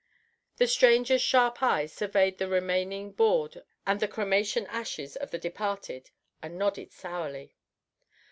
The stranger's sharp eyes surveyed the remaining board and the cremation ashes of the departed, and nodded sourly.